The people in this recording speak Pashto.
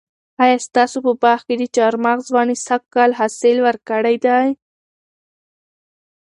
آیا ستاسو په باغ کې د چهارمغز ونې سږ کال حاصل ورکړی دی؟